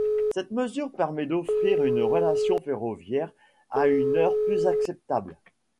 Cette mesure permet d'offrir une relation ferroviaire à une heure plus acceptable.